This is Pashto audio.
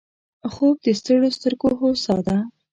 خوب د ستړیو سترګو هوسا ده